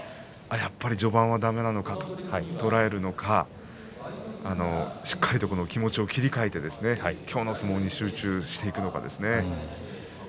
やっぱり序盤はだめなのかと捉えるのかしっかりと気持ちを切り替えて、今日の相撲に集中していくのか。